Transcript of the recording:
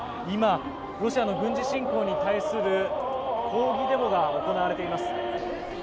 今、ロシアの軍事侵攻に対する抗議デモが行われています。